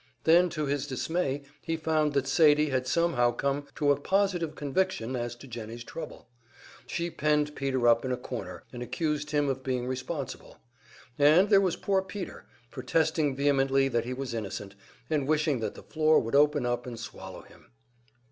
Then to his dismay, he found that Sadie had somehow come to a positive conviction as to Jennie's trouble. She penned Peter up in a corner and accused him of being responsible; and there was poor Peter, protesting vehemently that he was innocent, and wishing that the floor would open up and swallow him.